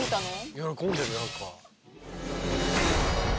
喜んでる何か。